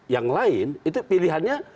yang lain itu pilihannya